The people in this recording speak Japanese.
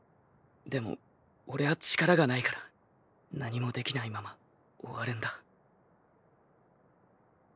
でもオレは力がないから何もできないまま終わるんだ。